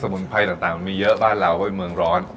สมุงไพรต่างมีเยอะบ้านเราเมืองร้อน